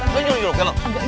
lu nyuruh nyuruh ya lo